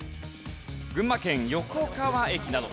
群馬県横川駅など。